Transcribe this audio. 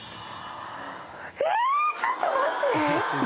えぇちょっと待って！